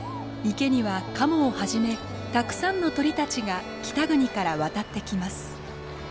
池にはカモをはじめたくさんの鳥たちが北国から渡ってきます。